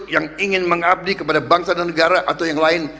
yang ingin mengabdi kepada bangsa dan negara atau yang lain